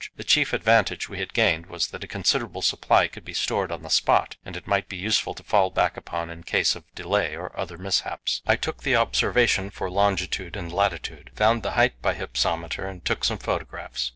The chief advantage we had gained was that a considerable supply could be stored on the spot, and it might be useful to fall back upon in case of delay or other mishaps. I took the observation for longitude and latitude, found the height by hypsometer, and took some photographs.